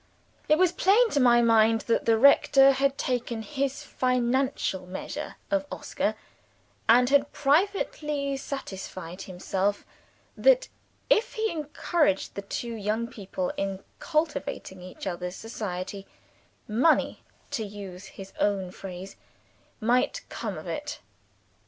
It was plain to my mind that the rector had taken his financial measure of Oscar, and had privately satisfied himself, that if he encouraged the two young people in cultivating each other's society, money (to use his own phrase) might come of it.